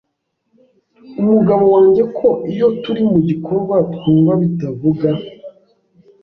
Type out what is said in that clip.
umugabo wanjye ko iyo turi mu gikorwa twumva bitavuga,